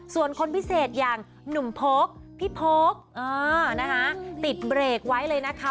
ส่วนคนพิเศษอย่างหนุ่มพกพี่พกนะคะติดเบรกไว้เลยนะคะ